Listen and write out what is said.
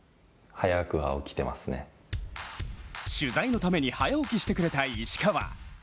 取材のために早起きしてくれた石川。